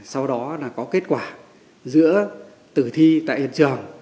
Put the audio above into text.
sau đó là có kết quả giữa tử thi tại hiện trường